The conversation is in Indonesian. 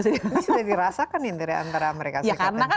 ini sudah dirasakan intinya antara amerika serikat dan china